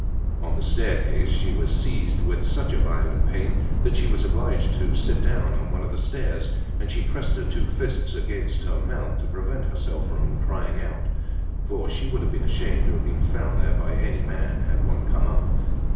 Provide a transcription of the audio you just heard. On the staircase she was seized with such a violent pain, that she was obliged to sit down on one of the stairs; and she pressed her two fists against her mouth to prevent herself from crying out, for she would have been ashamed to have been found there by any man, had one come up.